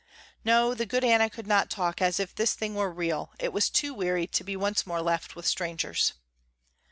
No, the good Anna could not talk as if this thing were real, it was too weary to be once more left with strangers.